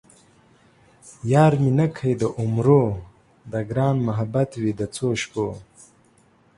یار مې نه کئ د عمرو ـ د ګران محبت وئ د څو شپو